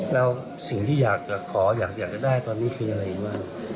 แล้วสิ่งที่อยากจะขออยากจะได้ตอนนี้คืออะไรบ้าง